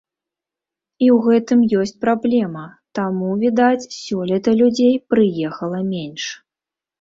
І ў гэтым ёсць праблема, таму, відаць, сёлета людзей прыехала менш.